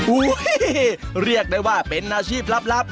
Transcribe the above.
เรียกได้ว่าเป็นอาชีพลับ